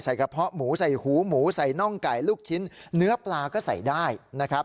กระเพาะหมูใส่หูหมูใส่น่องไก่ลูกชิ้นเนื้อปลาก็ใส่ได้นะครับ